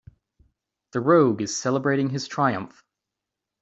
The rogue is celebrating his triumph.